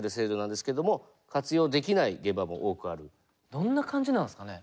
どんな感じなんですかね。